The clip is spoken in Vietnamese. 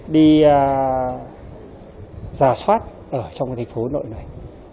đi ra soát ở trong cái thành phố nội này